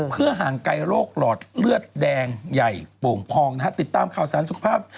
เพื่อห่างไกลโรคหลอดเลือดแดงใหญ่โป่งพองนะฮะติดตามข่าวสารสุขภาพ